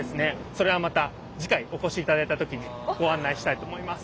それはまた次回お越し頂いた時にご案内したいと思います。